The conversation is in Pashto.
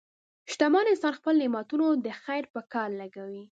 شتمن انسان خپل نعمتونه د خیر په کار لګوي.